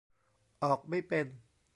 ออกไม่เป็น